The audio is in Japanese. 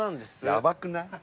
やばくない？